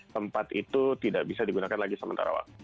tempat itu tidak bisa digunakan lagi sementara waktu